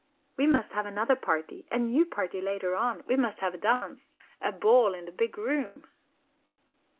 We must have another party, a new party later on; we must have a dance, a ball in the big room."